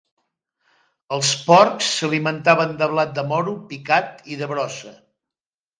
Els porcs s'alimentaven de blat de moro picat i de brossa.